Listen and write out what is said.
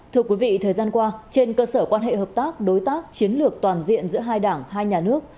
thưa quý vị thời gian qua trên cơ sở quan hệ hợp tác đối tác chiến lược toàn diện giữa hai đảng hai nhà nước